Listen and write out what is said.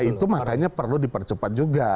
itu makanya perlu dipercepat juga